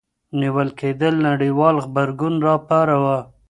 نیول کېدل نړیوال غبرګون راوپاروه.